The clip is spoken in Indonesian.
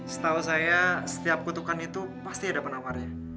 setahu saya setiap kutukan itu pasti ada penawarnya